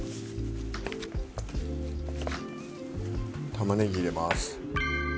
玉ねぎ入れます。